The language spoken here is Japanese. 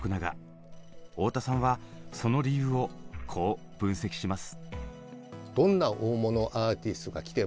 太田さんはその理由をこう分析します。